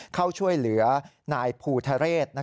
เข้าช่วยเหลือนายภูทะเรศ